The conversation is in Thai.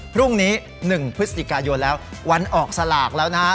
พรุ่งนี้๑พฤศจิกายนแล้ววันออกสลากแล้วนะฮะ